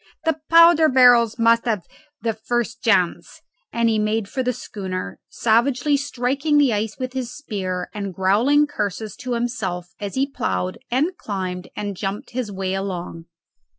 the powder barrels must have the first chance." And he made for the schooner, savagely striking the ice with his spear and growling curses to himself as he ploughed and climbed and jumped his way along.